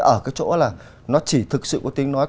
ở cái chỗ là nó chỉ thực sự có tiếng nói